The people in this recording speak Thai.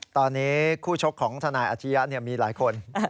ตอนนี้คู่ชกของทนายอาชียะมีหลายคน